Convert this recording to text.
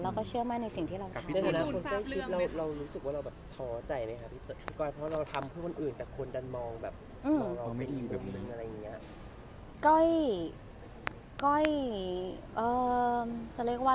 เราก็เชื่อมั่นในสิ่งที่เราทำ